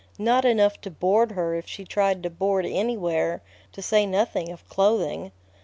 Not enough to board her if she tried to board anywhere, to say nothing of clothing.